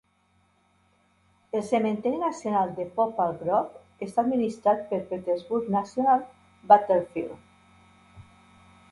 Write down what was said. El cementiri nacional de Poplar Grove està administrar pel Petersburg National Battlefield.